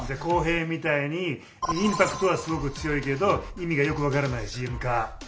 コーヘイみたいにインパクトはすごく強いけど意味がよく分からないＣＭか。